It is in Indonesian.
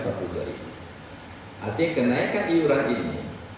artinya kenaikan iuran ini